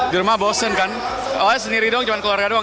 di rumah bosen kan olah sendiri dong cuma keluarga doang